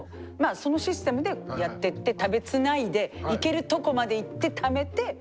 そのシステムでやってって食べつないでいけるとこまでいって貯めて。